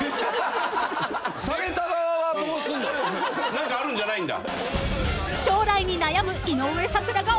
何かあるんじゃないんだ？